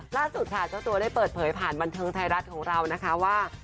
ล่าสุดค่ะเจ้าตัวได้เปิดเผยผ่านบันเทิงไทยรัฐของเรานะคะว่า